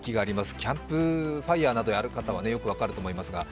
キャンプファイヤーをやる方はよく分かると思いますが。